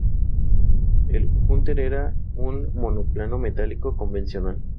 El Hunter era un monoplano metálico convencional.